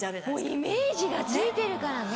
イメージがついてるからね。